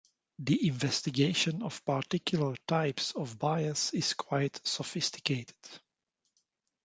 The investigation of particular types of bias is quite sophisticated.